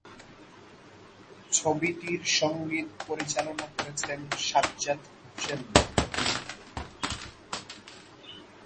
ছবিটির সঙ্গীত পরিচালনা করেছেন সাজ্জাদ হোসেন।